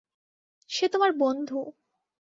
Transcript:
সে তোমার বন্ধু।